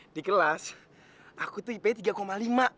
di kelas aku tuh ipa tiga lima